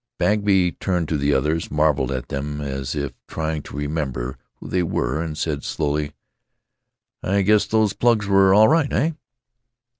Bagby turned to the others, marveled at them as if trying to remember who they were, and said, slowly, "I guess those plugs were all right. Heh?"